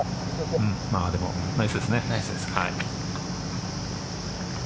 でもナイスですね。